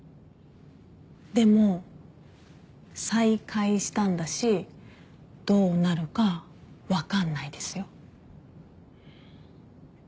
でも再会したんだしどうなるか分かんないですよ。